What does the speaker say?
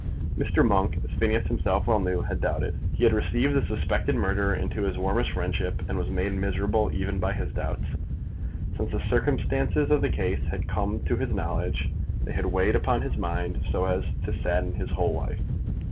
Mr. Monk, as Phineas himself well knew, had doubted. He had received the suspected murderer into his warmest friendship, and was made miserable even by his doubts. Since the circumstances of the case had come to his knowledge, they had weighed upon his mind so as to sadden his whole life.